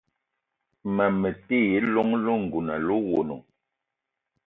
Ma me ti yi llong lengouna le owono.